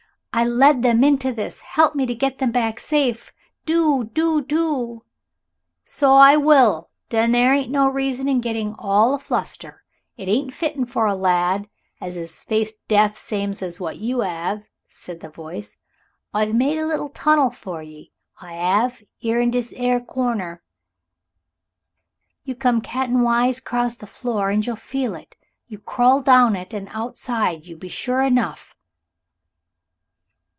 I led them into this help me to get them back safe. Do, do, do!" "So I will, den dere ain't no reason in getting all of a fluster. It ain't fitten for a lad as 'as faced death same's what you 'ave," said the voice. "I've made a liddle tunnel for 'e so I 'ave 'ere in dis 'ere corner you come caten wise crose the floor and you'll feel it. You crawl down it, and outside you be sure enough."